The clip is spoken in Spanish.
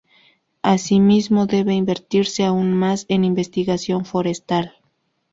Asimismo, debe invertirse aún más en investigación forestal.